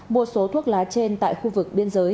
mua số thuốc lá trên tại khu vực biên giới